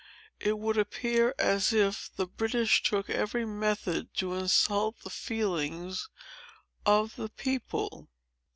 It would appear as if the British took every method to insult the feelings of the people.